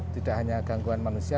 tidak hanya gangguan manusia